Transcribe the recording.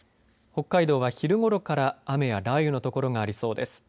北海道は昼ごろから雨や雷雨の所がありそうです。